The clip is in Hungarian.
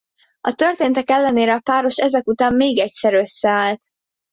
A történtek ellenére a páros ezek után még egyszer összeállt.